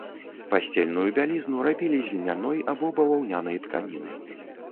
Пасцельную бялізну рабілі з льняной або баваўнянай тканіны.